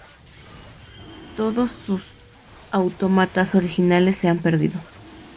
Todos sus autómatas originales se han perdido.